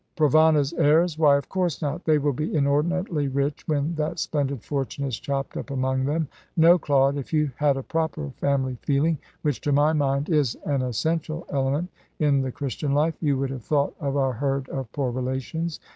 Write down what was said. "Provana's heirs? Why, of course not! They will be inordinately rich when that splendid fortune is chopped up among them. No, Claude, if you had a proper family feeling, which to my mind is an essential element in the Christian life, you would have thought of our herd of poor relations.